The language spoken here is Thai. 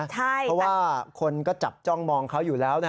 เพราะว่าคนก็จับจ้องมองเขาอยู่แล้ว